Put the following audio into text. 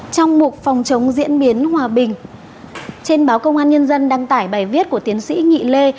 trong một phòng chống diễn biến hòa bình trên báo công an nhân dân đăng tải bài viết của tiến sĩ nhị lê